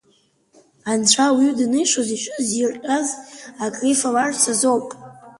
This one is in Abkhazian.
Анцәа ауаҩы данишоз иҿы зирҟьаз акрифаларц азоуп.